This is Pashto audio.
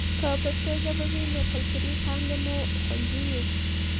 که پښتو ژبه وي نو کلتوري پانګه مو خوندي وي.